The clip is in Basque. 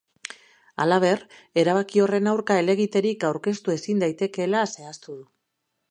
Halaber, erabaki horren aurka helegiterik aurkeztu ezin daitekeela zehaztu du.